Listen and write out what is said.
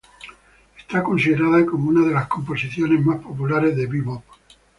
Está considerada como una de las composiciones más populares de bebop.